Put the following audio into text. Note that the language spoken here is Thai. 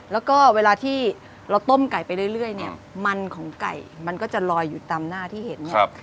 แล้วก็เวลาที่เราต้มไก่ไปเรื่อยเนี่ยมันของไก่มันก็จะลอยอยู่ตามหน้าที่เห็นเนี่ย